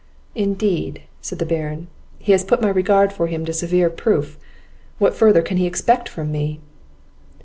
"Indeed," said the Baron, "he has put my regard for him to a severe proof; what further can he expect from me?"